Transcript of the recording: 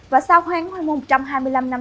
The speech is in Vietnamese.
và sau khoảng một trăm hai mươi năm năm